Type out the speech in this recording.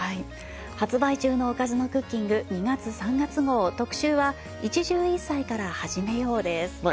発売中の『おかずのクッキング』２月３月号特集は「一汁一菜から始めよう！」です